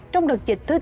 trong đợt dịch thức